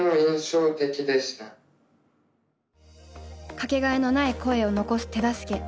掛けがえのない声を残す手助け。